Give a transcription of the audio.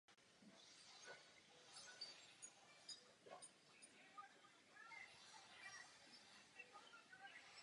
To považuji za velmi protimluvné a velmi špatné.